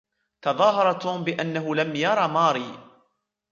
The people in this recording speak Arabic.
تظاهر توم بأنه لم يرى ماري.